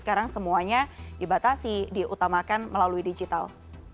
sekarang semuanya dibatasi diutamakan melalui digital